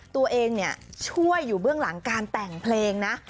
ตัวเองช่วยอยู่เบื้องหลังการแต่งเพลงนะ